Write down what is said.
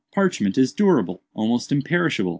Parchment is durable—almost imperishable.